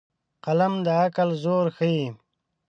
قلم د عقل زور ښيي